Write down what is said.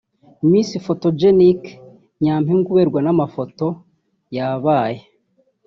Miss Photogenic (nyampinga uberwa n'amafoto) yabaye